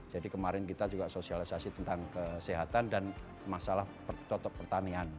jadi kemarin kita juga sosialisasi tentang kesehatan dan masalah pertanian